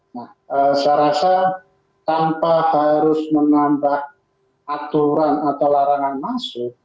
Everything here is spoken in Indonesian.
nah saya rasa tanpa harus menambah aturan atau larangan masuk